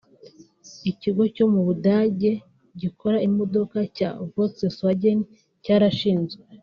Ikigo cyo mu budage gikora imodoka cya Volkswagen cyarashinzwe